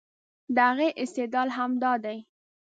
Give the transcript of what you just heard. د هغې استدلال همدا دی